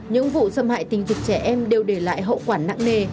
những vụ xâm hại tình dục trẻ em đều để lại hậu quả nặng nề